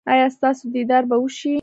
ایا ستاسو دیدار به وشي؟